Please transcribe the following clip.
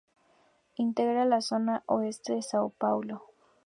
Integra la Zona Oeste de São Paulo.